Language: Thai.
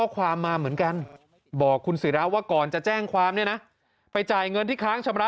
ใครถูกใครผิดนะ